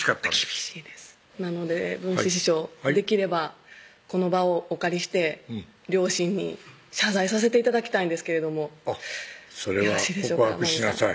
厳しいですなので文枝師匠できればこの場をお借りして両親に謝罪させて頂きたいんですけれどもそれは告白しなさい